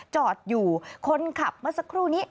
จอดอยู่คนขับเมื่อสักครู่นี้